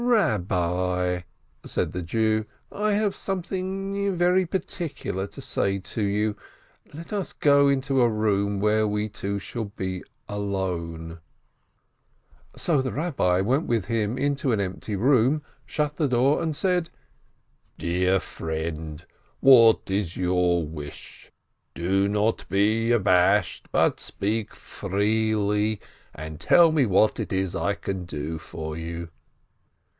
"Eabbi," said the Jew, "I have something very par ticular to say to you! Let us go into a room where we two shall be alone." THE CLEVER RABBI 585 So the Rabbi went with him into an empty room, shut the door, and said: "Dear friend, what is your wish ? Do not be abashed, but speak freely, and tell me what I can do for you."